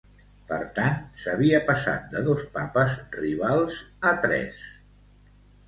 Per tant, s'havia passat de dos papes rivals a tres.